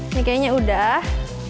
ini kayaknya udah